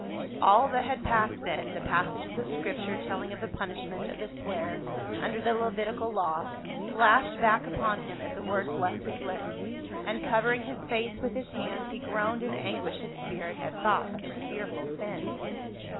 All that had passed then, the passages of Scripture telling of the punishment of the swearer under the Levitical law, flashed back upon him as the words left his lips, and covering his face with his hands he groaned in anguish of spirit at thought of his fearful sin.